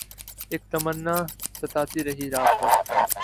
اک تمنا ستاتی رہی رات بھر